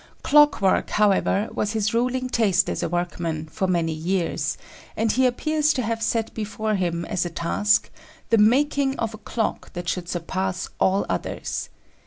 Clock work, however, was his ruling taste as a workman, for many years, and he appears to have set before him as a task the making of a clock that should surpass all others.